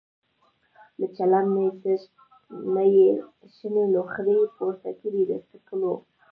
له چلم نه یې شنې لوخړې پورته کړې د څکلو.